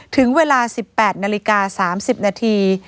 ถึงเวลา๑๘นาฬิกา๓๐นาที